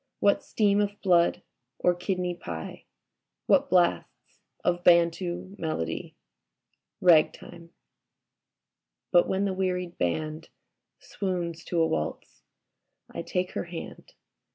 What steam of blood or kidney pie ? What blasts of Bantu melody ? Ragtime. ... But when the wearied Band Swoons to a waltz, I take her hand.